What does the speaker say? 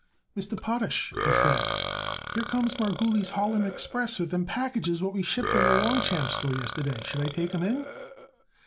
"Mr. Potash," he said, "here comes Margulies' Harlem Express with them packages what we shipped it the Longchamps Store yesterday. Should I take 'em in?"